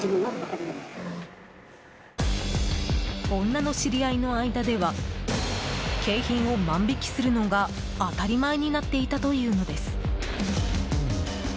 女の知り合いの間では景品を万引きするのが当たり前になっていたというのです。